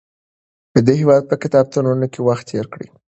د هېواد په کتابتونونو کې وخت تېر کړئ.